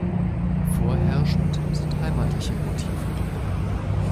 Vorherrschend sind heimatliche Motive.